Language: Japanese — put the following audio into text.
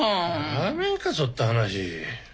やめんかそった話。